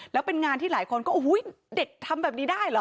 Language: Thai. แล้วเป็นงานที่หลายคนก็อุ้ยเด็กทำแบบนี้ได้เหรอ